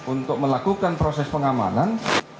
untuk melakukan proses pengamanan